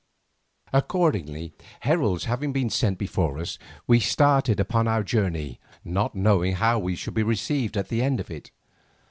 Accordingly, heralds having been sent before us, we started upon our journey, not knowing how we should be received at the end of it.